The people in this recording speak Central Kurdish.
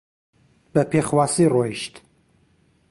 بە پێخواسی ڕۆیشت